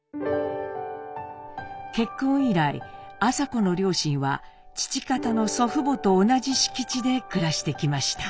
結婚以来麻子の両親は父方の祖父母と同じ敷地で暮らしてきました。